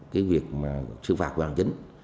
cái việc mà xử phạt của đảng chính